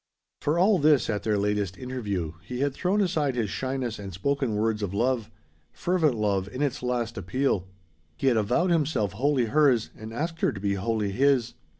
For all this, at their latest interview, he had thrown aside his shyness, and spoken words of love fervent love, in its last appeal. He had avowed himself wholly hers, and asked her to be wholly his.